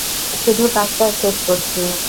শুধু কাজটা শেষ করছি।